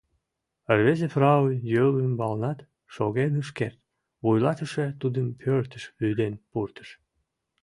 Рвезе фрау йол ӱмбалнат шоген ыш керт, вуйлатыше тудым пӧртыш вӱден пуртыш.